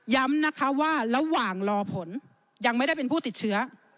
ย้ำนะคะว่าระหว่างรอผลยังไม่ได้เป็นผู้ติดเชื้อ